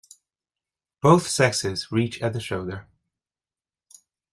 Both sexes reach at the shoulder.